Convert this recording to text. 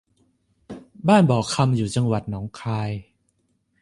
บ้านบ่อคำอยู่ที่จังหวัดหนองคาย